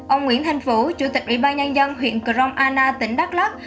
ông nguyễn thanh vũ chủ tịch ủy ban nhân dân huyện crong anna tỉnh đắk lắc